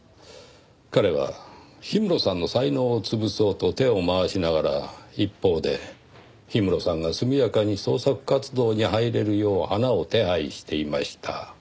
彼は氷室さんの才能を潰そうと手を回しながら一方で氷室さんが速やかに創作活動に入れるよう花を手配していました。